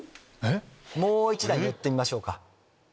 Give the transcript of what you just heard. もう１段寄ってみましょうか。